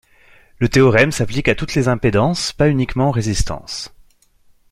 Le théorème s'applique à toutes les impédances, pas uniquement aux résistances.